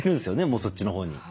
もうそっちのほうに。